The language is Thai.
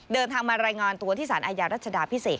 เดินทางมารายงานตัวที่สารอาญารัชดาพิเศษ